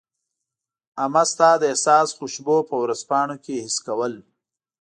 امه ستا د احساس خوشبو په ورځپاڼو کي حس کول